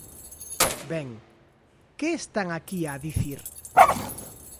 Ben, ¿que están aquí a dicir?